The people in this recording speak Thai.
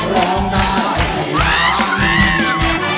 ร้องได้ให้ล้าน